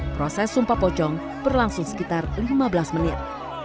proses sumpah pocong berlangsung sekitar lima belas menit